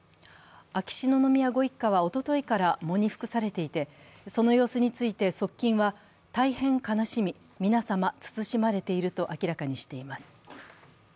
秋篠宮ご一家は、おとといから喪に服されていて、その様子について側近は大変悲しみ、皆様、慎まれていると明らかにしています。